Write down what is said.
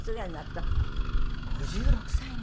５６歳に。